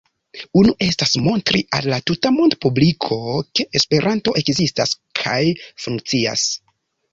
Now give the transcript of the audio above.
Unu estas montri al la tutmonda publiko, ke Esperanto ekzistas kaj funkcias.